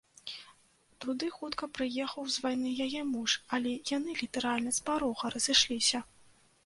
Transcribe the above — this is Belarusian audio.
Туды хутка прыехаў з вайны яе муж, але яны літаральна з парога разышліся.